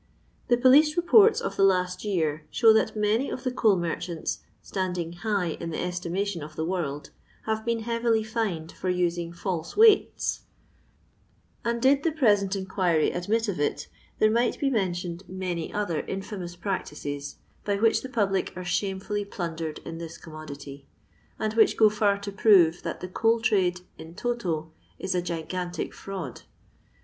The police reports of the last year show Uiat many of the coal merchants, standing high in the estimation of the worid, have been heavily ^fined for using folse weighta ; and, did the present inquiry admit of it, there might be mentioned many other infimions practices \q which the public are shamefolly plundered in this commodity, and which go for to prove that the coal trade, in toto, is a gigantic firaud.